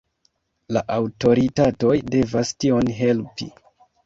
La aŭtoritatoj devas tion helpi.